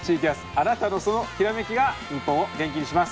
あなたのそのヒラメキが日本を元気にします。